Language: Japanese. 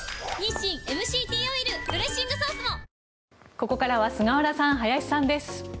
ここからは菅原さん、林さんです。